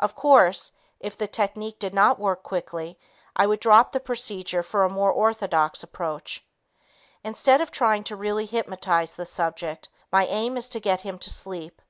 Of course, if the technique did not work quickly, I would drop the procedure for a more orthodox approach. Instead of trying to really hypnotize the subject, my aim is to get him to sleep.